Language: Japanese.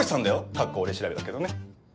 カッコ俺調べだけどね。